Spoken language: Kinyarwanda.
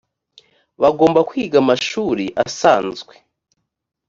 bagomba kwiga amashuri asanzwe